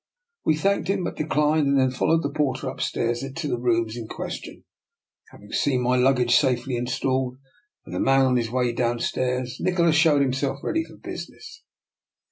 " We thanked him, but declined, and then followed the porter upstairs to the rooms in question. Having seen my luggage safely in stalled and the man on his way downstairs, Nikola showed himself ready for business.